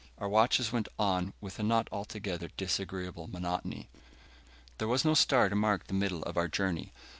Our watches went on with a not altogether disagreeable monotony. There was no star to mark the middle of our journey.